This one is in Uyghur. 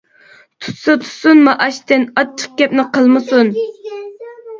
تۇتسا تۇتسۇن مائاشتىن، ئاچچىق گەپنى قىلمىسۇن.